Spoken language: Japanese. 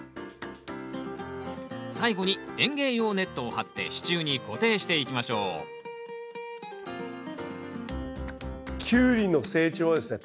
最後に園芸用ネットを張って支柱に固定していきましょうキュウリの成長はですね